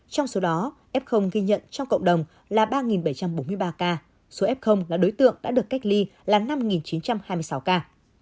trong số đó f ghi nhận trong cộng đồng là ba bảy trăm bốn mươi ba ca số f là đối tượng đã được cách ly là năm chín trăm hai mươi sáu ca